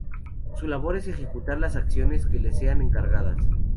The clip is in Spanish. Su labor es ejecutar las acciones que les sean encargadas.